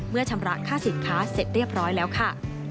ชำระค่าสินค้าเสร็จเรียบร้อยแล้วค่ะ